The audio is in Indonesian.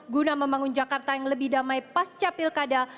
guna membangun jakarta yang lebih damai pascapilkada